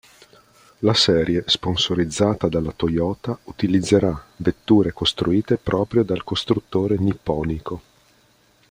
La serie, sponsorizzata dalla Toyota, utilizzerà vetture costruite proprio dal costruttore nipponico.